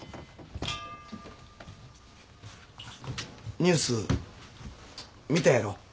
ニュース見たやろ？